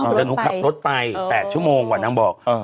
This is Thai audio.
เดี๋ยวหนูขับรถไป๘ชั่วโมงอะนางบอก